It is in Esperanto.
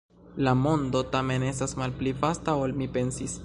La mondo, tamen, estas malpli vasta, ol mi pensis.